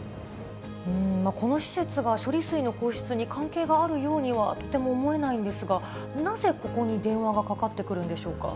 この施設が処理水の放出に関係があるようにはとても思えないんですが、なぜ、ここに電話がかかってくるんでしょうか？